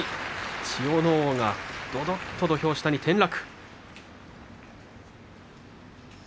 千代ノ皇が、どどっと土俵下に転落。